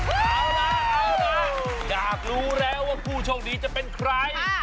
เอาล่ะเอาล่ะอยากรู้แล้วว่าผู้โชคดีจะเป็นใคร